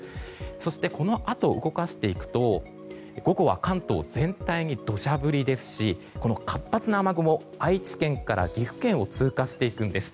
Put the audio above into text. そして、このあと動かしていくと午後は関東全体で土砂降りですし活発な雨雲、愛知県から岐阜県を通過していくんです。